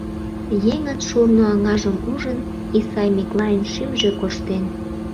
Еҥын шурно аҥажым ужын, Исай Миклайын шӱмжӧ корштен.